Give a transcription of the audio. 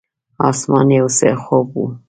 اسمان یو څه خوپ و.